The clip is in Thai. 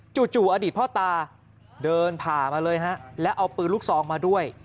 จู่อดีตพ่อตาเดินผ่ามาเลยฮะแล้วเอาปืนลูกซองมาด้วย